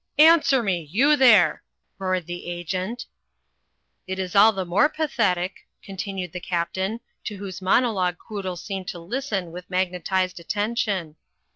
''Answer me, you there !" roared the Agent. "It is all the more pathetic," continued the Captain, to whose monologue Quoodle seemed to listen with magnetized attention.